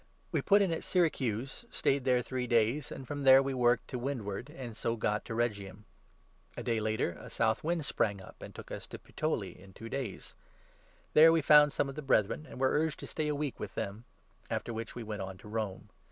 We put in at Syracuse and stayed there three 12 days, and from there we worked to windward and so got to 13 Rhegium. A day later a south wind sprang up and took us to Puteoli in two days. There we found some of the Brethren, 14 and were urged to stay a week with them ; after which we went on to Rome.